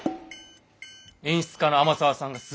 演出家の天沢さんがすっげえ。